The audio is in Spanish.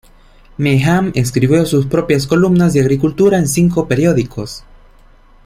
Meehan escribió sus propias columnas de agricultura en cinco periódicos.